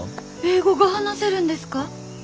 英語が話せるんですか？